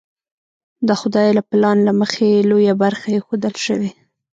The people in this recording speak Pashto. د خدای له پلان له مخې لویه برخه ایښودل شوې.